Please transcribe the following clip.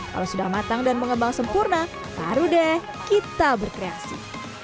kalau sudah matang dan mengembang sempurna baru deh kita berkreasi